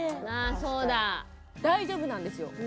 確かに大丈夫なんですよ